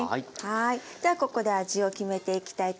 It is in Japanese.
ではここで味を決めていきたいと思います。